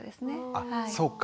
あそうか。